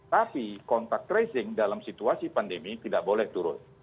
tapi kontak tracing dalam situasi pandemi tidak boleh turun